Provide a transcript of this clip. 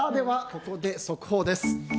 ここで速報です。